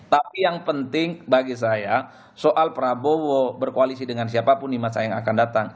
tapi yang penting bagi saya soal prabowo berkoalisi dengan siapapun di masa yang akan datang